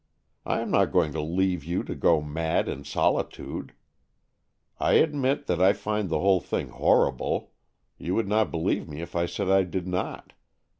I am not going to leave you to go mad in solitude. I admit that I find the whole thing horrible. You would not believe me if I said I did not.